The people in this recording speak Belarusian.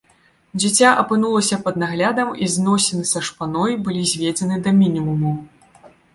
Дзіця апынулася пад наглядам, і зносіны са шпаной былі зведзены да мінімуму.